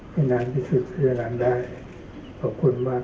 นานที่สุดที่จะล้างได้ขอบคุณมาก